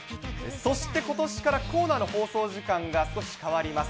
そしてことしからコーナーの放送時間が、少し変わります。